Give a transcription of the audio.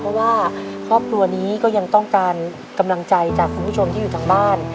เพราะว่าครอบครัวนี้ก็ยังต้องการกำลังใจจากคุณผู้ชมที่อยู่ทางบ้าน